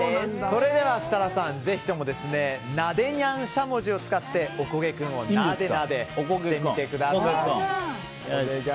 それでは、設楽さん、ぜひともなで猫しゃもじを使っておこげ君をなでなでしてください。